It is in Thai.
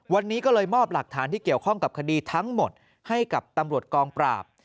วันนี้ก็เลยมอบหลักฐานที่เกี่ยวข้องกับคดีทั้งหมดให้กับตำรวจกองปราบ